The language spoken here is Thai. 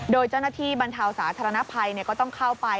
โดยเจ้าหน้าที่บรรเทาสาธารณภัยก็ต้องเข้าไป